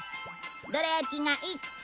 どら焼きが１個。